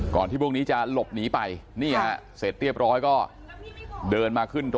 ที่พวกนี้จะหลบหนีไปนี่ฮะเสร็จเรียบร้อยก็เดินมาขึ้นรถ